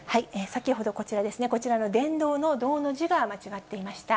先ほど、こちらですね、こちらのでんどうのどうの字が間違っていました。